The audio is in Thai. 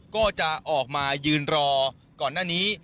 ก็จะออกมายืนรอก่อนหน้านี้